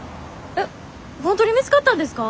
えっ本当に見つかったんですか？